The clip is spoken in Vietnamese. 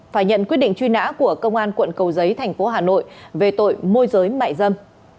phải nhận quyết định truy nã của công an quận cầu giấy thành phố hà nội về tội môi giới mại dâm